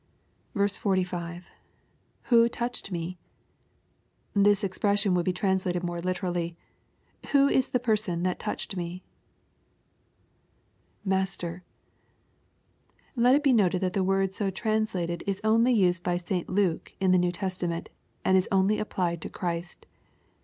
45. — [Who iotiched mef] This expression would be translated more literally, " Who is the person that touched me ?" [Master,] Let it be noted that the word so translated is only used by St Luke in the New Testament^ and is only applied to Christ.